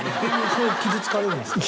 それは傷つかれるんですか？